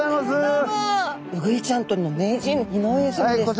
ウグイちゃんとりの名人井上さんです。